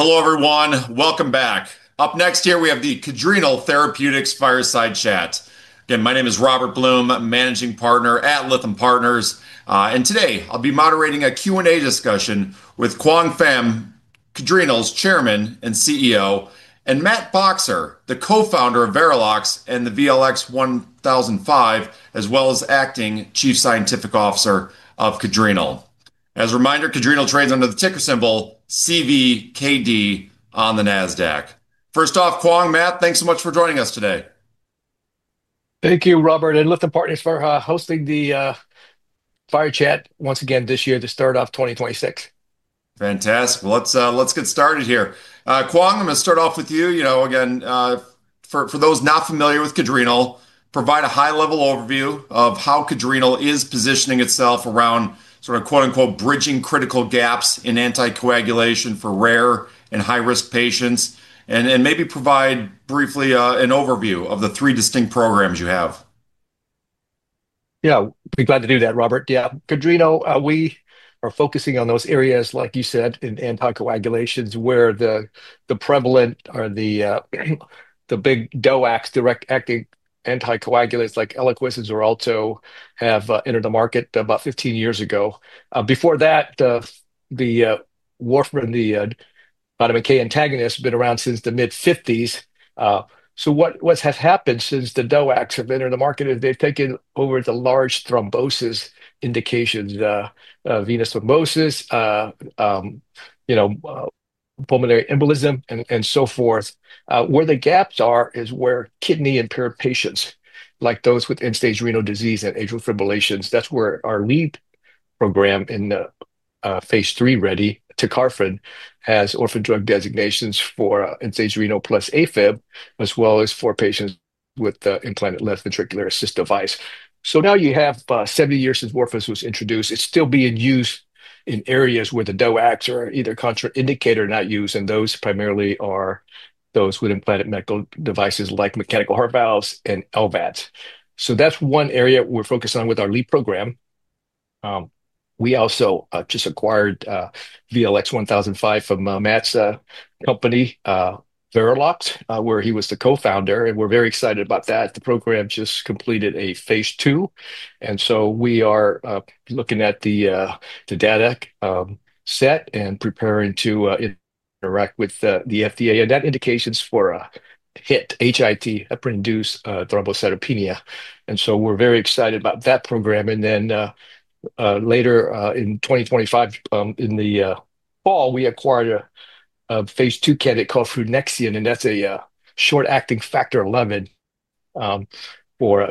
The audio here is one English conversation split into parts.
All right. Hello, everyone. Welcome back. Up next here, we have the Cadrenal Therapeutics fireside chat. Again, my name is Robert Blum, Managing Partner at Lytham Partners, and today I'll be moderating a Q&A discussion with Quang Pham, Cadrenal's Chairman and CEO, and Matt Boxer, the Co-Founder of Veralox and the VLX-1005, as well as acting Chief Scientific Officer of Cadrenal. As a reminder, Cadrenal trades under the ticker symbol CVKD on the Nasdaq. First off, Quang, Matt, thanks so much for joining us today. Thank you, Robert, and Lytham Partners for hosting the fireside chat once again this year, the start of 2026. Fantastic. Well, let's get started here. Quang, I'm going to start off with you. You know, again, for those not familiar with Cadrenal, provide a high-level overview of how Cadrenal is positioning itself around sort of "bridging critical gaps in anticoagulation for rare and high-risk patients," and maybe provide briefly an overview of the three distinct programs you have. Yeah, I'm glad to do that, Robert. Yeah, Cadrenal, we are focusing on those areas, like you said, in anticoagulation where the prevalent or the big DOACs, direct oral anticoagulants like Eliquis and Xarelto, have entered the market about 15 years ago. Before that, the warfarin, the vitamin K antagonist, has been around since the mid-1950s. So what has happened since the DOACs have entered the market is they've taken over the large thrombosis indications, venous thrombosis, pulmonary embolism, and so forth. Where the gaps are is where kidney-impaired patients, like those with end-stage renal disease and atrial fibrillations, that's where our lead program in phase 3, Tecarfarin, has orphan drug designations for end-stage renal plus AFib, as well as for patients with implanted left ventricular assist device. So now you have 70 years since warfarin was introduced. It's still being used in areas where the DOACs are either contraindicated or not used, and those primarily are those with implanted medical devices like mechanical heart valves and LVADs, so that's one area we're focused on with our Lead program. We also just acquired VLX-1005 from Matt's company, Veralox, where he was the Co-Founder, and we're very excited about that. The program just completed a phase two, and so we are looking at the data set and preparing to interact with the FDA, and that indicates for HIT, heparin-induced thrombocytopenia, and so we're very excited about that program, and then later in 2025, in the fall, we acquired a phase two candidate called Fruinexian, and that's a short-acting factor XI for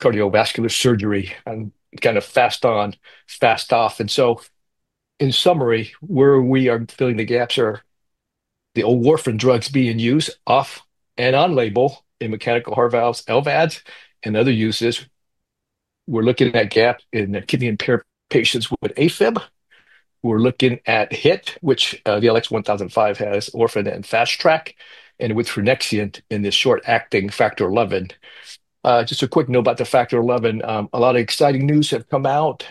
cardiovascular surgery and kind of fast on, fast off. And so in summary, where we are filling the gaps are the old warfarin drugs being used off and on label in mechanical heart valves, LVADs, and other uses. We're looking at gaps in kidney-impaired patients with AFib. We're looking at HIT, which VLX-1005 has Orphan and Fast Track, and with Fruinexian in this short-acting Factor XI. Just a quick note about the Factor XI, a lot of exciting news has come out.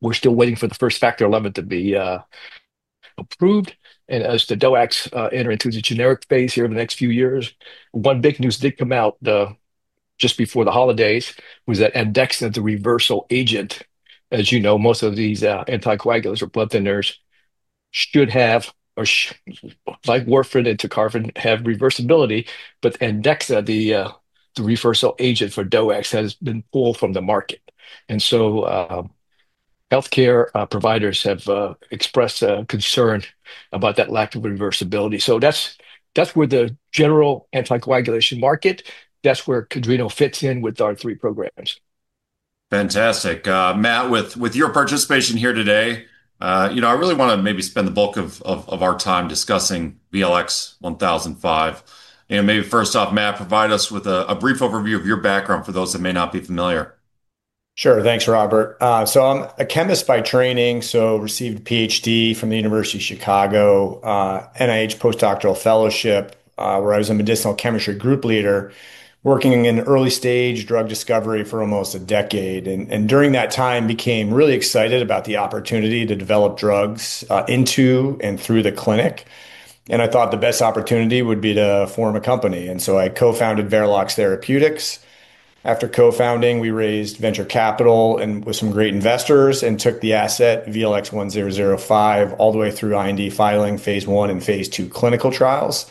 We're still waiting for the first Factor XI to be approved, and as the DOACs enter into the generic phase here in the next few years, one big news did come out just before the holidays was that Andexxa, the reversal agent, as you know, most of these anticoagulants or blood thinners should have, or like warfarin and Tecarfarin, have reversibility, but Andexxa, the reversal agent for DOACs, has been pulled from the market. Healthcare providers have expressed concern about that lack of reversibility. That's where the general anticoagulation market, that's where Cadrenal fits in with our three programs. Fantastic. Matt, with your participation here today, you know I really want to maybe spend the bulk of our time discussing VLX-1005. And maybe first off, Matt, provide us with a brief overview of your background for those that may not be familiar. Sure. Thanks, Robert. So I'm a chemist by training, so I received a PhD from the University of Chicago, NIH Postdoctoral Fellowship, where I was a medicinal chemistry group leader working in early-stage drug discovery for almost a decade. And during that time, I became really excited about the opportunity to develop drugs into and through the clinic. And I thought the best opportunity would be to form a company. And so I co-founded Veralox Therapeutics. After co-founding, we raised venture capital with some great investors and took the asset VLX-1005 all the way through IND filing phase one and phase two clinical trials.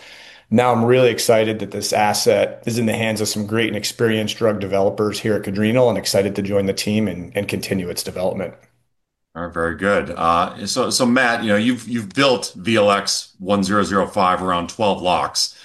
Now I'm really excited that this asset is in the hands of some great and experienced drug developers here at Cadrenal and excited to join the team and continue its development. All right. Very good. So Matt, you've built VLX-1005 around 12-LOX.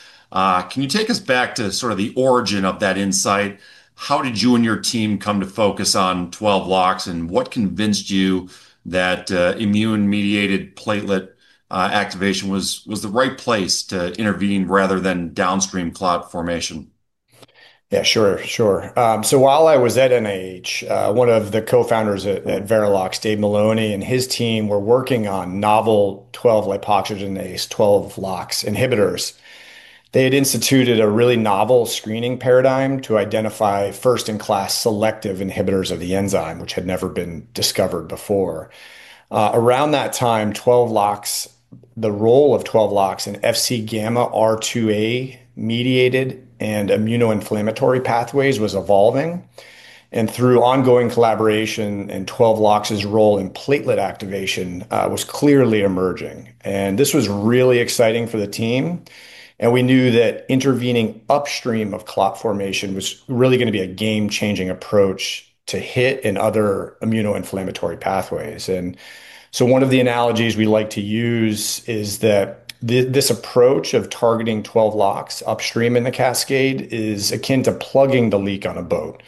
Can you take us back to sort of the origin of that insight? How did you and your team come to focus on 12-LOX and what convinced you that immune-mediated platelet activation was the right place to intervene rather than downstream clot formation? Yeah, sure. Sure. So while I was at NIH, one of the Co-Founders at Veralox, Dave Maloney, and his team were working on novel 12-lipoxygenase 12-LOX inhibitors. They had instituted a really novel screening paradigm to identify first-in-class selective inhibitors of the enzyme, which had never been discovered before. Around that time, 12-LOX, the role of 12-LOX in FcγRIIa-mediated and immunoinflammatory pathways was evolving. And through ongoing collaboration and 12-LOX' role in platelet activation was clearly emerging. And this was really exciting for the team. And we knew that intervening upstream of clot formation was really going to be a game-changing approach to HIT and other immunoinflammatory pathways. And so one of the analogies we like to use is that this approach of targeting 12-LOX upstream in the cascade is akin to plugging the leak on a boat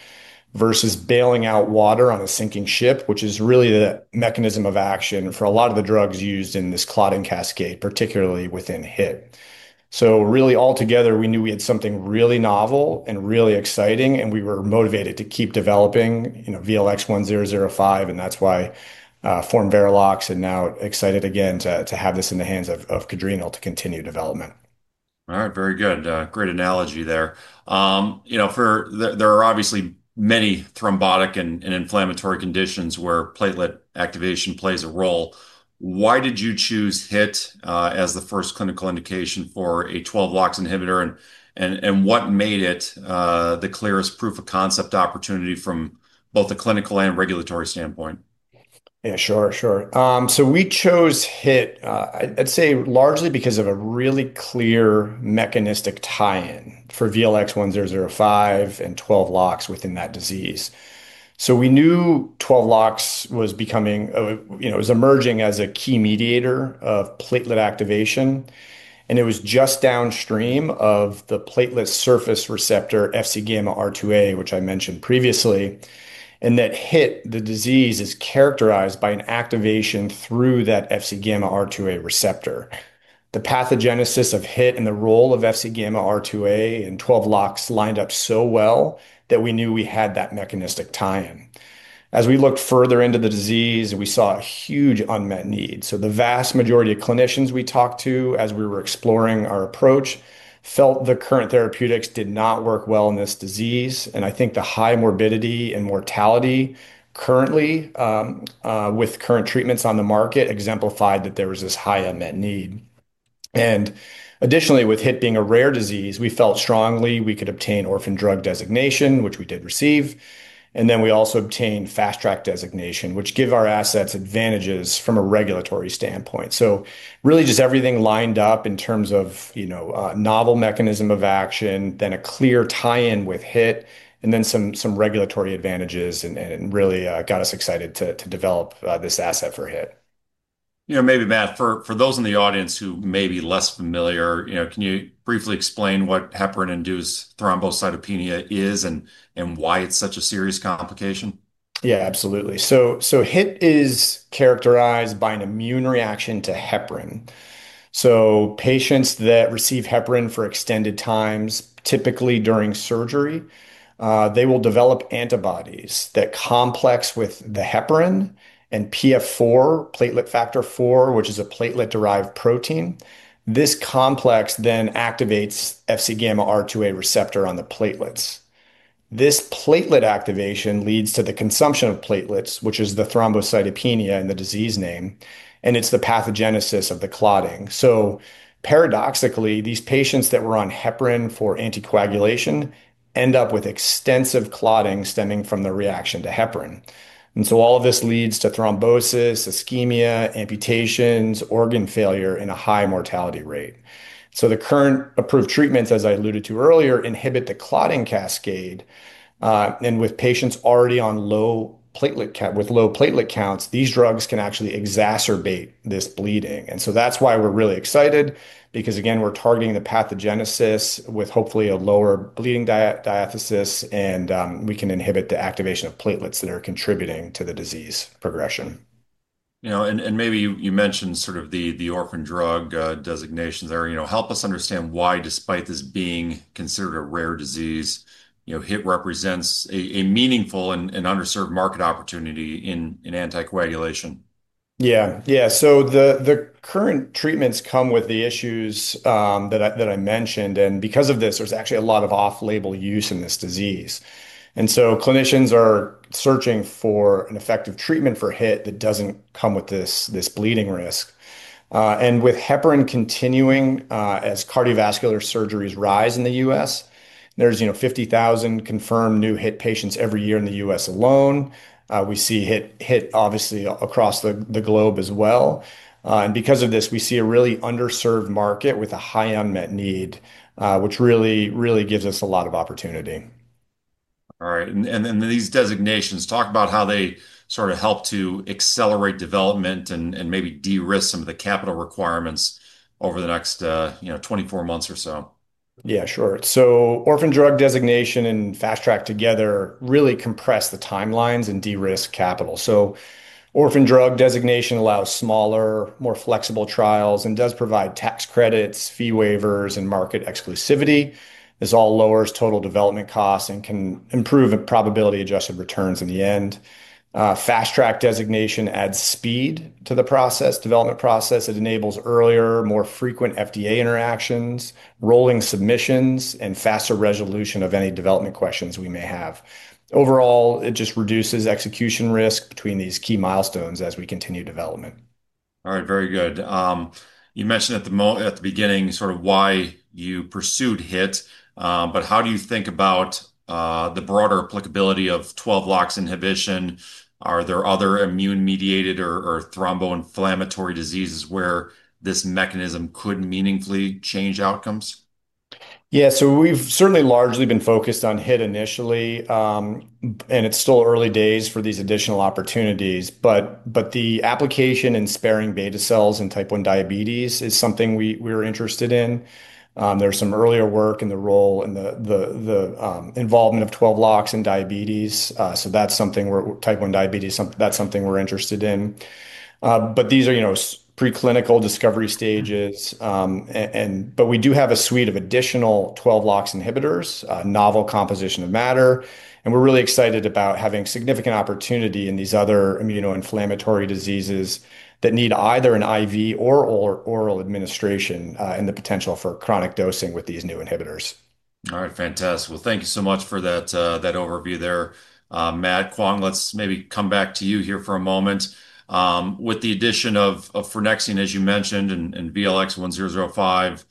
versus bailing out water on a sinking ship, which is really the mechanism of action for a lot of the drugs used in this clotting cascade, particularly within HIT. So really altogether, we knew we had something really novel and really exciting, and we were motivated to keep developing VLX-1005. And that's why I formed Veralox and now excited again to have this in the hands of Cadrenal to continue development. All right. Very good. Great analogy there. There are obviously many thrombotic and inflammatory conditions where platelet activation plays a role. Why did you choose HIT as the first clinical indication for a 12-LOX inhibitor, and what made it the clearest proof of concept opportunity from both a clinical and regulatory standpoint? Yeah, sure. Sure. So we chose HIT, I'd say, largely because of a really clear mechanistic tie-in for VLX-1005 and 12-LOX within that disease. So we knew 12-LOX was becoming, you know, it was emerging as a key mediator of platelet activation. And it was just downstream of the platelet surface receptor FcγRIIa, which I mentioned previously. And that HIT, the disease, is characterized by an activation through that FcγRIIa receptor. The pathogenesis of HIT and the role of FcγRIIa in 12-LOX lined up so well that we knew we had that mechanistic tie-in. As we looked further into the disease, we saw a huge unmet need. So the vast majority of clinicians we talked to as we were exploring our approach felt the current therapeutics did not work well in this disease. I think the high morbidity and mortality currently with current treatments on the market exemplified that there was this high unmet need. Additionally, with HIT being a rare disease, we felt strongly we could obtain Orphan Drug Designation, which we did receive. Then we also obtained Fast Track Designation, which gave our assets advantages from a regulatory standpoint. Really just everything lined up in terms of a novel mechanism of action, then a clear tie-in with HIT, and then some regulatory advantages and really got us excited to develop this asset for HIT. You know, maybe, Matt, for those in the audience who may be less familiar, you know, can you briefly explain what heparin-induced thrombocytopenia is and why it's such a serious complication? Yeah, absolutely, so HIT is characterized by an immune reaction to heparin, so patients that receive heparin for extended times, typically during surgery, they will develop antibodies that complex with the heparin and PF4, platelet factor 4, which is a platelet-derived protein. This complex then activates FcγRIIa receptor on the platelets. This platelet activation leads to the consumption of platelets, which is the thrombocytopenia in the disease name, and it's the pathogenesis of the clotting, so paradoxically, these patients that were on heparin for anticoagulation end up with extensive clotting stemming from the reaction to heparin, and so all of this leads to thrombosis, ischemia, amputations, organ failure, and a high mortality rate, so the current approved treatments, as I alluded to earlier, inhibit the clotting cascade, and with patients already on low platelet counts, these drugs can actually exacerbate this bleeding. And so that's why we're really excited because, again, we're targeting the pathogenesis with hopefully a lower bleeding diathesis, and we can inhibit the activation of platelets that are contributing to the disease progression. You know, and maybe you mentioned sort of the orphan drug designations there. You know, help us understand why, despite this being considered a rare disease, HIT represents a meaningful and underserved market opportunity in anticoagulation. Yeah. Yeah, so the current treatments come with the issues that I mentioned. And because of this, there's actually a lot of off-label use in this disease. And so clinicians are searching for an effective treatment for HIT that doesn't come with this bleeding risk. And with heparin continuing as cardiovascular surgeries rise in the U.S., there's, you know, 50,000 confirmed new HIT patients every year in the U.S. alone. We see HIT, obviously, across the globe as well. And because of this, we see a really underserved market with a high unmet need, which really, really gives us a lot of opportunity. All right. And then these designations, talk about how they sort of help to accelerate development and maybe de-risk some of the capital requirements over the next 24 months or so. Yeah, sure. So Orphan Drug Designation and Fast Track together really compress the timelines and de-risk capital. So Orphan Drug Designation allows smaller, more flexible trials and does provide tax credits, fee waivers, and market exclusivity. This all lowers total development costs and can improve probability-adjusted returns in the end. Fast Track Designation adds speed to the development process. It enables earlier, more frequent FDA interactions, rolling submissions, and faster resolution of any development questions we may have. Overall, it just reduces execution risk between these key milestones as we continue development. All right. Very good. You mentioned at the beginning sort of why you pursued HIT, but how do you think about the broader applicability of 12-LOX inhibition? Are there other immune-mediated or thrombo-inflammatory diseases where this mechanism could meaningfully change outcomes? Yeah, so we've certainly largely been focused on HIT initially, and it's still early days for these additional opportunities, but the application in sparing beta cells in type 1 diabetes is something we're interested in. There's some earlier work in the role and the involvement of 12-LOX in diabetes, so that's something where type 1 diabetes, that's something we're interested in, but these are preclinical discovery stages, but we do have a suite of additional 12-LOX inhibitors, novel composition of matter, and we're really excited about having significant opportunity in these other immunoinflammatory diseases that need either an IV or oral administration and the potential for chronic dosing with these new inhibitors. All right. Fantastic. Well, thank you so much for that overview there. Matt, Quang, let's maybe come back to you here for a moment. With the addition of Fruinexian, as you mentioned, and VLX-1005,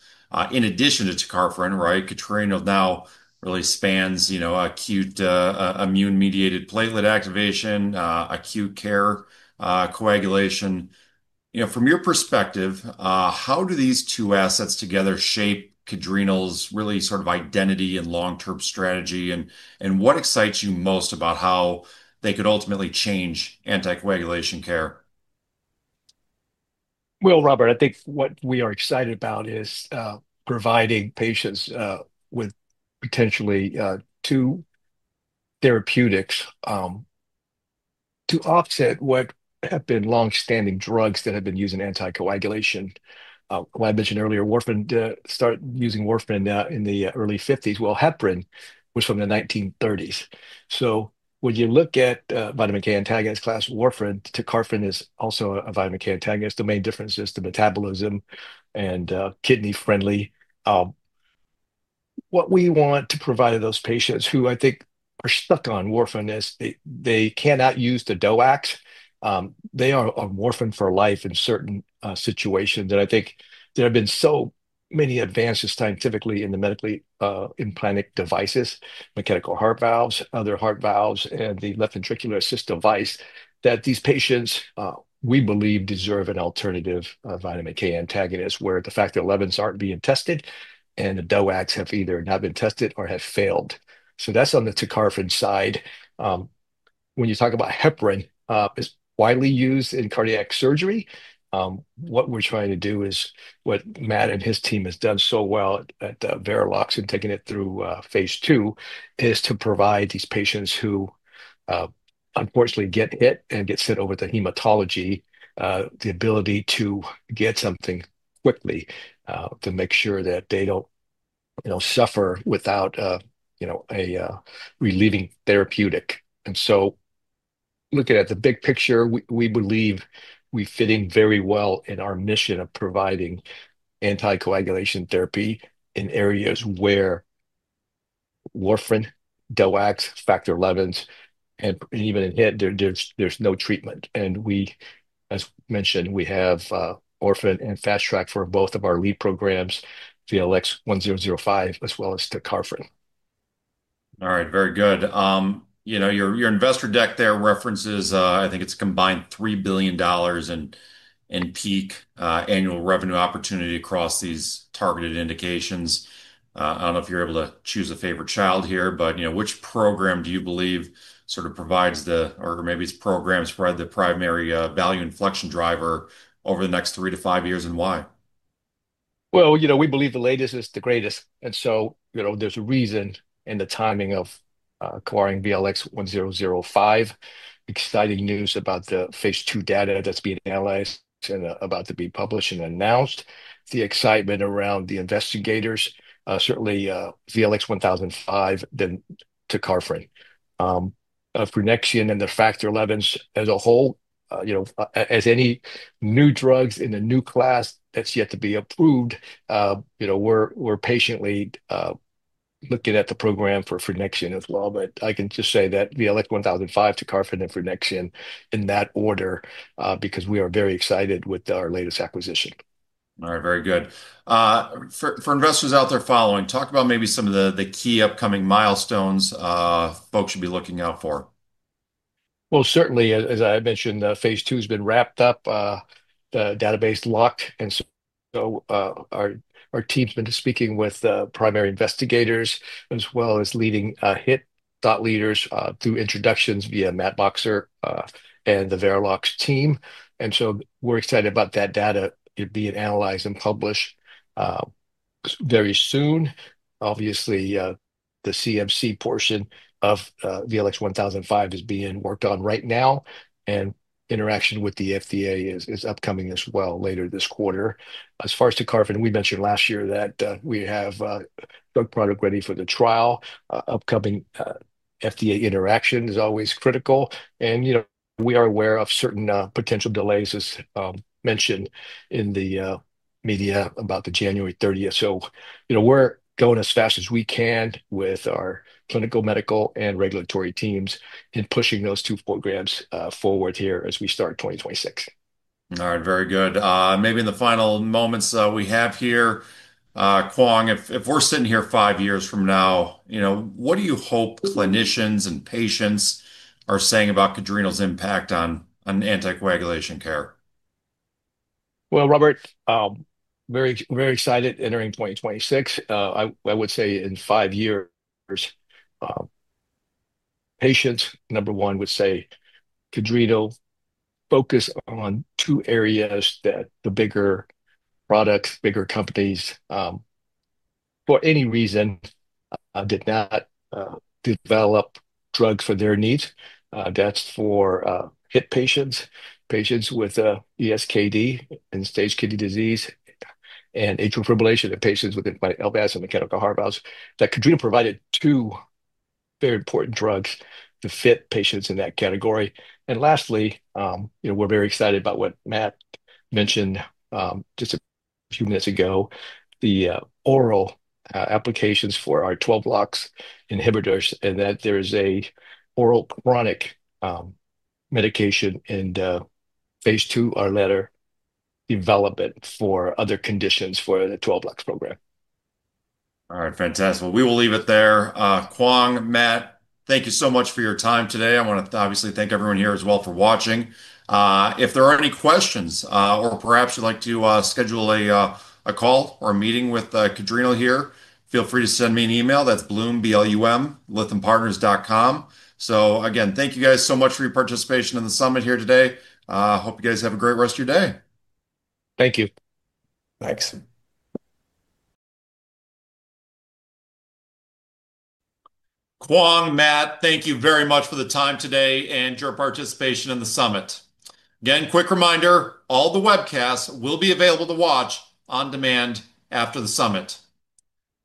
in addition to Tecarfarin, right, Cadrenal now really spans acute immune-mediated platelet activation, acute care coagulation. You know, from your perspective, how do these two assets together shape Cadrenal's really sort of identity and long-term strategy? And what excites you most about how they could ultimately change anticoagulation care? Robert, I think what we are excited about is providing patients with potentially two therapeutics to offset what have been long-standing drugs that have been used in anticoagulation. Like I mentioned earlier, warfarin started using warfarin in the early 1950s. Heparin was from the 1930s. So when you look at vitamin K antagonist class warfarin, Tecarfarin is also a vitamin K antagonist. The main difference is the metabolism and kidney-friendly. What we want to provide to those patients who I think are stuck on warfarin is they cannot use the DOACs. They are warfarin for life in certain situations. I think there have been so many advances scientifically in the medically implanted devices, mechanical heart valves, other heart valves, and the left ventricular assist device that these patients, we believe, deserve an alternative vitamin K antagonist where the Factor XIs aren't being tested and the DOACs have either not been tested or have failed. So that's on the Tecarfarin side. When you talk about heparin, it's widely used in cardiac surgery. What we're trying to do is what Matt and his team has done so well at Veralox and taking it through phase two is to provide these patients who unfortunately get HIT and get sent over to hematology the ability to get something quickly to make sure that they don't suffer without a relieving therapeutic. Looking at the big picture, we believe we fit in very well in our mission of providing anticoagulation therapy in areas where Warfarin, DOACs, factor XIs, and even in HIT, there's no treatment. As mentioned, we have Orphan and Fast Track for both of our lead programs, VLX-1005, as well as Tecarfarin. All right. Very good. You know, your investor deck there references, I think it's combined $3 billion in peak annual revenue opportunity across these targeted indications. I don't know if you're able to choose a favorite child here, but which program do you believe sort of provides the, or maybe it's programs provide the primary value inflection driver over the next three to five years and why? Well, you know, we believe the latest is the greatest, and so there's a reason in the timing of acquiring VLX-1005, exciting news about the phase 2 data that's being analyzed and about to be published and announced, the excitement around the investigators, certainly VLX-1005, then Tecarfarin, Fruinexian and the Factor XIs as a whole, as any new drugs in a new class that's yet to be approved, we're patiently looking at the program for Fruinexian as well, but I can just say that VLX-1005, Tecarfarin and Fruinexian in that order because we are very excited with our latest acquisition. All right. Very good. For investors out there following, talk about maybe some of the key upcoming milestones folks should be looking out for. Certainly, as I mentioned, phase two has been wrapped up, the database lock. Our team's been speaking with the primary investigators as well as leading HIT thought leaders through introductions via Matt Boxer and the Veralox team. We're excited about that data being analyzed and published very soon. Obviously, the CMC portion of VLX-1005 is being worked on right now. Interaction with the FDA is upcoming as well later this quarter. As far as Tecarfarin, we mentioned last year that we have a drug product ready for the trial. Upcoming FDA interaction is always critical. We are aware of certain potential delays, as mentioned in the media about the January 30th. We're going as fast as we can with our clinical, medical, and regulatory teams in pushing those two programs forward here as we start 2026. All right. Very good. Maybe in the final moments we have here, Quang, if we're sitting here five years from now, what do you hope clinicians and patients are saying about Cadrenal's impact on anticoagulation care? Robert, very excited entering 2026. I would say in five years, patients, number one, would say Cadrenal focus on two areas that the bigger pharma, bigger companies, for any reason, did not develop drugs for their needs. That's for HIT patients, patients with ESKD, end-stage kidney disease and atrial fibrillation, and patients with advanced mechanical heart valves. That Cadrenal provided two very important drugs to treat patients in that category. And lastly, we're very excited about what Matt mentioned just a few minutes ago, the oral applications for our 12-LOX inhibitors and that there is an oral chronic medication in phase two, later development for other conditions for the 12-LOX program. All right. Fantastic. Well, we will leave it there. Quang, Matt, thank you so much for your time today. I want to obviously thank everyone here as well for watching. If there are any questions or perhaps you'd like to schedule a call or a meeting with Cadrenal here, feel free to send me an email. That's blum@Lythampartners.com. So again, thank you guys so much for your participation in the summit here today. I hope you guys have a great rest of your day. Thank you. Thanks. Quang, Matt, thank you very much for the time today and your participation in the summit. Again, quick reminder, all the webcasts will be available to watch on demand after the summit.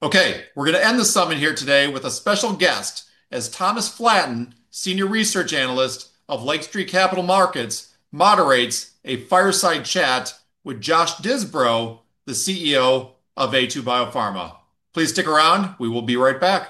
Okay. We're going to end the summit here today with a special guest as Thomas Flaten, Senior Research Analyst of Lake Street Capital Markets, moderates a fireside chat with Josh Disbrow, the CEO of Aytu BioPharma. Please stick around. We will be right back.